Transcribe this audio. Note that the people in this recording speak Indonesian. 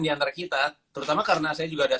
di antara kita terutama karena saya juga ada